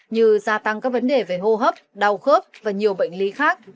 như gia tăng các vấn đề về hô hấp đau khớp và nhiều bệnh lý khác